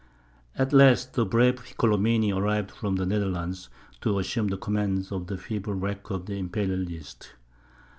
At last the brave Piccolomini arrived from the Netherlands, to assume the command of the feeble wreck of the Imperialists.